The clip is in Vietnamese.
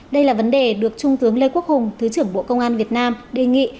đây là vấn đề được trung tướng lê quốc hùng thứ trưởng bộ công an việt nam đề nghị